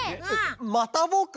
またぼく？